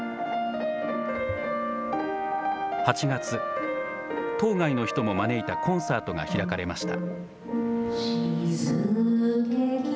８月、島外の人も招いたコンサートが開かれました。